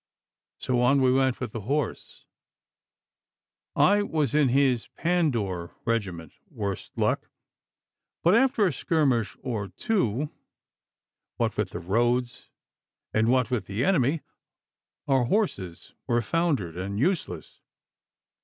So on we went with the horse I was in his Pandour regiment, worse luck! But after a skirmish or two, what with the roads and what with the enemy, our horses were foundered and useless.